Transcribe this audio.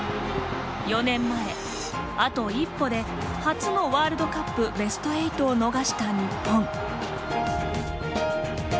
４年前、あと一歩で初のワールドカップベスト８を逃した日本。